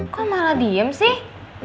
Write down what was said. kok malah diem sih